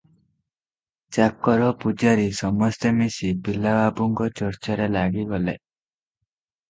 ଚାକର ପୂଜାରୀ ସମସ୍ତେ ମିଶି ପିଲା ବାବୁଙ୍କ ଚର୍ଚ୍ଚାରେ ଲାଗିଗଲେ ।